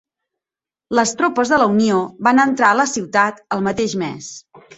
Les tropes de la Unió van entrar a la ciutat el mateix mes.